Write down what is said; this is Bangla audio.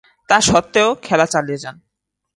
তাস্বত্ত্বেও খেলা চালিয়ে যান।